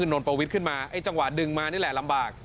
นนประวิทย์ขึ้นมาไอ้จังหวะดึงมานี่แหละลำบาก